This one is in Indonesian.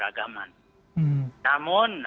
ini adalah simbol beragaman